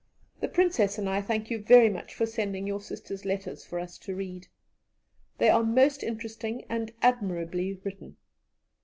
"The Princess and I thank you very much for sending your sister's letters for us to read. They are most interesting, and admirably written.